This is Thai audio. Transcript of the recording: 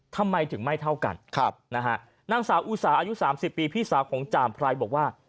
ทำไมถึงไม่เท่ากันนางสาวอุสาอายุ๓๐ปีพี่สาวของจ่ามไพรบอกว่า